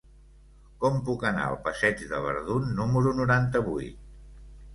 Com puc anar al passeig de Verdun número noranta-vuit?